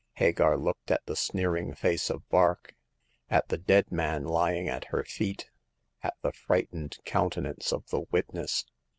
'' Hagar looked at the sneering face of Vark ; at the dead man lying at her feet ; at the frightened countenance of the witness.